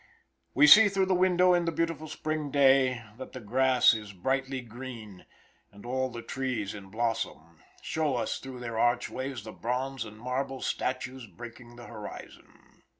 We see through the window in the beautiful spring day that the grass is brightly green; and all the trees in blossom, show us through their archways the bronze and marble statues breaking the horizon.